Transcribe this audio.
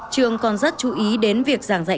trường còn rất chú ý đến việc giảng dạy